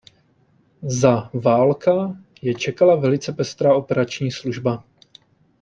Za válka je čekala velice pestrá operační služba.